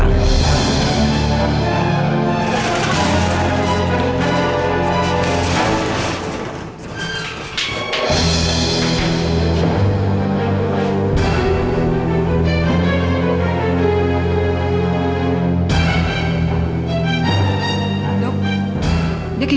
yang ingin di kasih